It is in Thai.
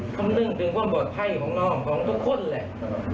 คำนึงถึงความปลอดภัยของเราของทุกคนแหละ